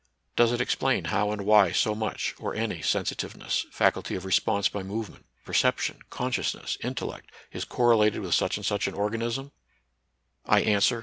Does it explain how and why so much, or any, sensitiveness, faculty of response by movement, perception, consciousness, intel lect, is correlated with such and such an organ ism? I answer.